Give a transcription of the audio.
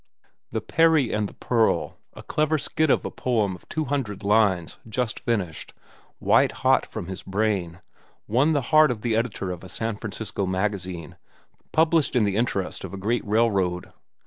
"The Peri and the Pearl," a clever skit of a poem of two hundred lines, just finished, white hot from his brain, won the heart of the editor of a San Francisco magazine published in the interest of a great railroad.